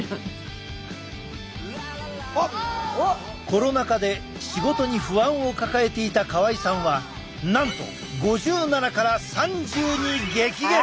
コロナ禍で仕事に不安を抱えていた河合さんはなんと５７から３０に激減！